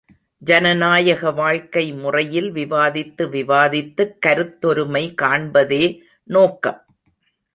ஜனநாயக வாழ்க்கை முறையில் விவாதித்து விவாதித்துக் கருத்தொருமை காண்பதே நோக்கம்.